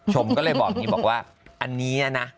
ชมก็เลยบอกว่าอันนี้นะ